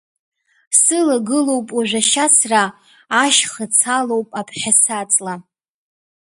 Сылагылоуп уажә ашьацра, ашьхыц алоуп абҳәасаҵла…